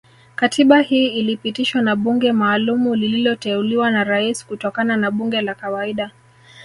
Katiba hii ilipitishwa na bunge maalumu lililoteuliwa na Rais kutokana na bunge la kawaida